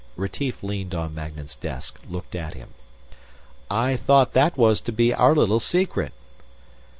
Retief leaned on Magnan's desk, looked at him. "I thought that was to be our little secret."